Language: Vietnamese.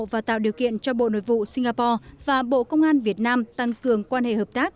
và tạo điều kiện cho bộ nội vụ singapore và bộ công an việt nam tăng cường quan hệ hợp tác